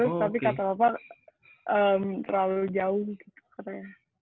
tapi kata bapak terlalu jauh gitu katanya